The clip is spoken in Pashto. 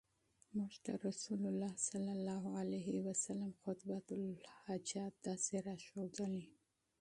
مونږ ته رسول الله صلی الله عليه وسلم خُطْبَةَ الْحَاجَة داسي را ښودلي